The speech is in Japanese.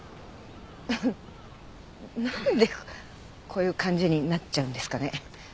何でこういう感じになっちゃうんですかね？